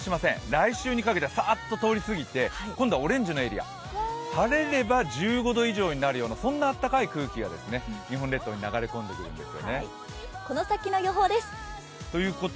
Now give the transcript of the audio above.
来週にかけて通りすぎて今度はオレンジのエリア、晴れれば１５度以上になるようなあったかい空気が日本列島に流れ込んできます。